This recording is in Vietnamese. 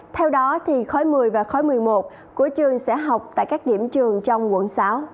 theo đó khói một mươi và khói một mươi một của trường sẽ học tại các điểm trường trong quận sáu